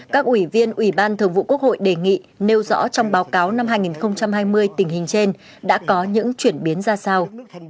các ủy viên ủy ban thường vụ quốc hội đề nghị nêu rõ trong báo cáo năm hai nghìn hai mươi tình hình trên đã có những chuyển biến ra sao